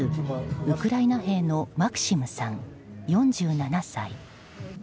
ウクライナ兵のマクシムさん、４７歳。